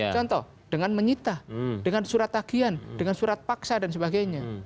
contoh dengan menyita dengan surat tagian dengan surat paksa dan sebagainya